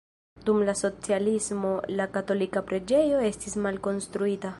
Dum la socialismo la katolika preĝejo estis malkonstruita.